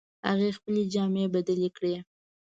هغې خپلې جامې بدلې کړې